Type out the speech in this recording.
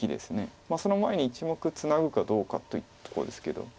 その前に１目ツナぐかどうかといったところですけれども。